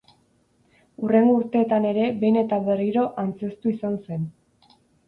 Hurrengo urteetan ere behin eta berriro antzeztu izan zen.